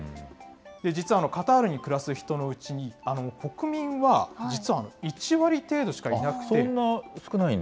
実はカタールに暮らす人のうち、国民は実は１割程度しかいなくて。